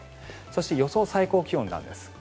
そして予想最高気温です。